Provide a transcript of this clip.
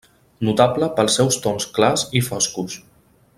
Notable pels seus tons clars i foscos.